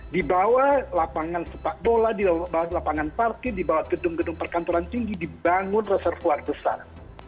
di bawah lapangan sepak bola di bawah lapangan parkir di bawah gedung gedung perkantoran tinggi dibangun reservoir besar